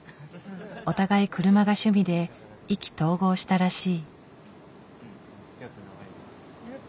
お互い車が趣味で意気投合したらしい。